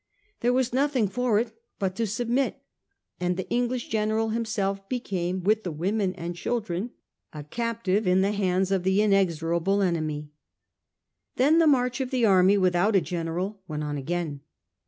There was nothing for it but to submit ; and the English general himself became, with the women and children, a captive in the hands of the inexorable enemy. Then the march of the army, without a general, went on again.